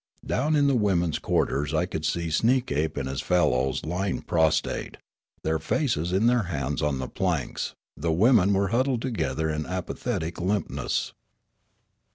Down in the women's quarters I could see Sneekape and his fellows lying prostrate, their faces in their hands on the planks; the women were huddled together in apathetic limpness.